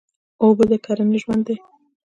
اوبه د کرنې ژوند دی.